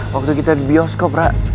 waktu kita di bioskop pak